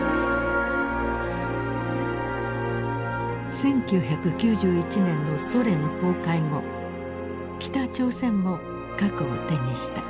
１９９１年のソ連崩壊後北朝鮮も核を手にした。